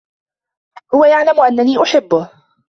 هو يعلم أنني أحبّه.